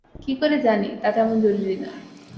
কী করে জানি, তা তেমন জরুরি নয়।